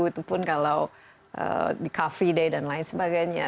itu pun kalau di cover day dan lain sebagainya